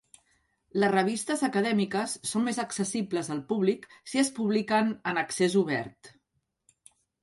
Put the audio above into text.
Les revistes acadèmiques són més accessibles al públic si es publiquen en "accés obert".